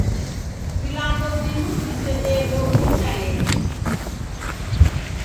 Vilambo vimu visedegho vijalenyi.